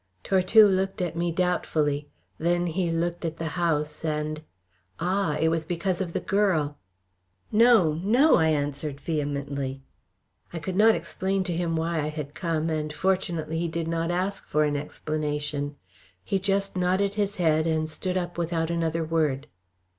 Tortue looked at me doubtfully. Then he looked at the house, and "Ah! It was because of the girl." "No! No!" I answered vehemently. I could not explain to him why I had come, and fortunately he did not ask for an explanation. He just nodded his head, and stood up without another word.